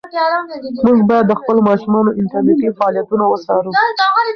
موږ باید د خپلو ماشومانو انټرنيټي فعالیتونه وڅارو.